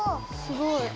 すごい。